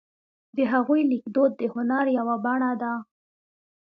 د هغوی لیکدود د هنر یوه بڼه ده.